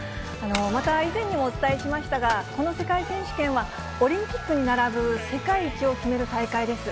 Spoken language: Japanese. また、以前にもお伝えしましたが、この世界選手権は、オリンピックに並ぶ世界一を決める大会です。